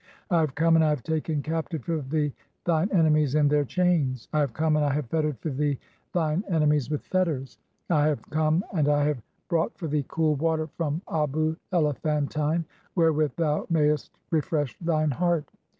(28) "I have come, and I have taken captive for thee thine "enemies in their chains. (29) "I have come, and I have fettered for thee thine ene "mies with fetters. (30) "I have come, and I have brought for thee cool water "from Abu (Elephantine), wherewith thou mayest refresh thine "heart.